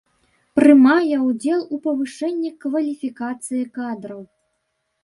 Прымае удзел у павышэнні кваліфікацыі кадраў.